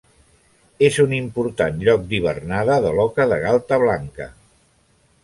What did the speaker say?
És un important lloc d'hivernada de l'oca de galta blanca.